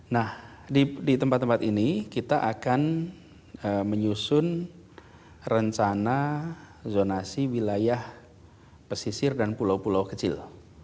nah di tempat tempat ini kita akan menyusun rencana zonasi wilayah pesisir dan pulau pulau kecil